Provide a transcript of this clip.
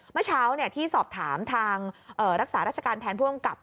เมื่อเช้าเนี้ยที่สอบถามทางเอ่อรักษาราชการแทนผู้จังกับ